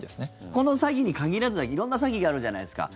この詐欺に限らず色んな詐欺があるじゃないですか。